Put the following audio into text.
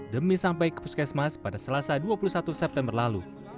demi sampai ke puskesmas pada selasa dua puluh satu september lalu